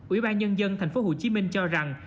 ủy ban nhân dân thành phố hồ chí minh cho rằng